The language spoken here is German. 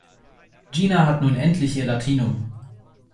Gina hat nun endlich ihr Latinum.